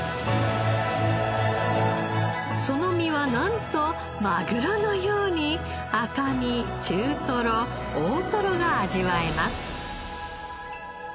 その身はなんとマグロのように赤身中トロ大トロが味わえます。